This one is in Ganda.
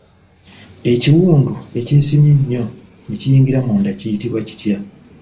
Ekiwundu ekyesimye ennyo ne kiyingira munda kiyitibwa kitya?